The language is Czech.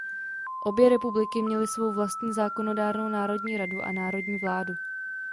Obě republiky měly svou vlastní zákonodárnou národní radu a národní vládu.